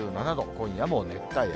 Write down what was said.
今夜も熱帯夜。